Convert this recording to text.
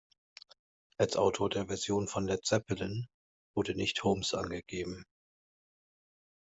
Als Autor der Version von Led Zeppelin wurde nicht Holmes angegeben.